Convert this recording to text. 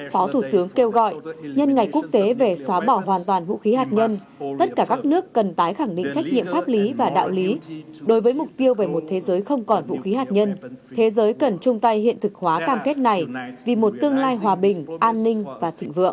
phó thủ tướng kêu gọi nhân ngày quốc tế về xóa bỏ hoàn toàn vũ khí hạt nhân tất cả các nước cần tái khẳng định trách nhiệm pháp lý và đạo lý đối với mục tiêu về một thế giới không còn vũ khí hạt nhân thế giới cần chung tay hiện thực hóa cam kết này vì một tương lai hòa bình an ninh và thịnh vượng